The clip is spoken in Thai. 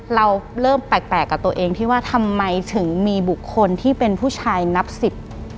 เราเริ่มแปลกแปลกกับตัวเองที่ว่าทำไมถึงมีบุคคลที่เป็นผู้ชายนับสิบ